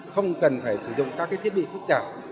không cần phải sử dụng các cái thiết bị khúc tạo